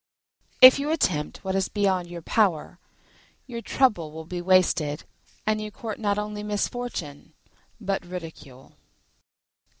If you attempt what is beyond your power, your trouble will be wasted and you court not only misfortune but ridicule.